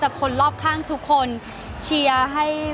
คือบอกเลยว่าเป็นครั้งแรกในชีวิตจิ๊บนะ